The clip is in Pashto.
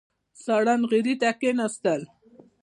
ساړه نغري ته کېناستل.